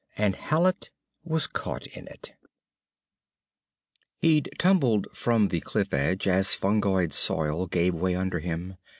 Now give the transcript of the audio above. And Hallet was caught in it. He'd tumbled from the cliff edge as fungoid soil gave way under him.